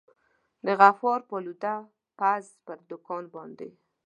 د غفار پالوده پز پر دوکان باندي.